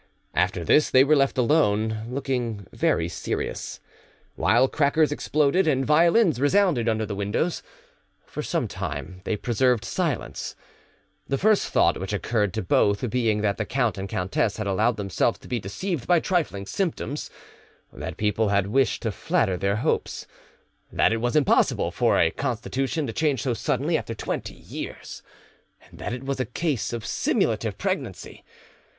After this they were left alone, looking very serious, while crackers exploded and violins resounded under the windows. For some time they preserved silence, the first thought which occurred to both being that the count and countess had allowed themselves to be deceived by trifling symptoms, that people had wished to flatter their hopes, that it was impossible for a constitution to change so suddenly after twenty years, and that it was a case of simulative pregnancy.